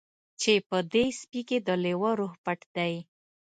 چې په دې سپي کې د لیوه روح پټ دی